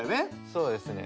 そうですね。